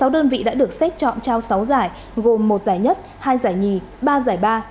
sáu đơn vị đã được xét chọn trao sáu giải gồm một giải nhất hai giải nhì ba giải ba